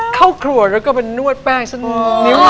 เข้าครัวแล้วก็มานวดแป้งสักนิ้วหนึ่ง